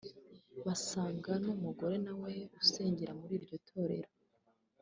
basanga ni umugore nawe usengera muri iryo Torero